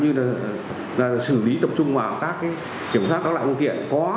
như là xử lý tập trung vào các kiểm soát các loại thông tiện